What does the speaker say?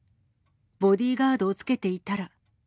ボディカードをつけていたら。